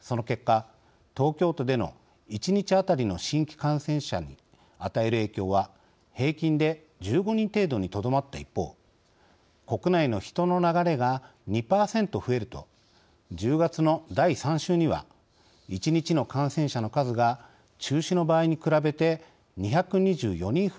その結果東京都での１日当たりの新規感染者に与える影響は平均で１５人程度にとどまった一方国内の人の流れが２％増えると１０月の第３週には１日の感染者の数が中止の場合に比べて２２４人増えるとしています。